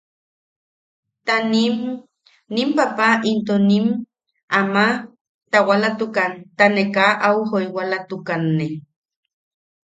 Ta nim, nim papa into ama tawalatukan ta ne kaa au joiwalatukanne.